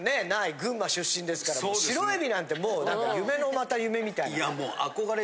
群馬出身ですから白えびなんてもう夢のまた夢みたいな。